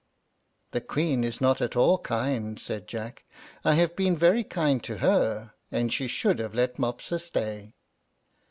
"The Queen is not at all kind," said Jack; "I have been very kind to her, and she should have let Mopsa stay."